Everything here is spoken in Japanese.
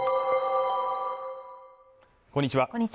こんにちは